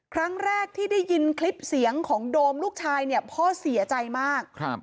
ครั้งแรกที่ได้ยินคลิปเสียงของโดมลูกชายเนี่ยพ่อเสียใจมาก